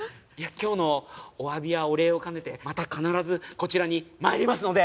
今日のお詫びやお礼を兼ねてまた必ずこちらに参りますので！